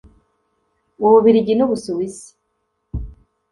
u Bubiligi n’u Busuwisi